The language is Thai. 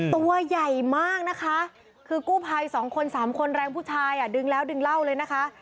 ตัวใหญ่มากนะคะคือกู้ภัยสองคนสามคนแรงผู้ชายอ่ะดึงแล้วดึงเหล้าเลยนะคะ